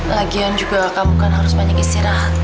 lagian juga kamu kan harus banyak istirahat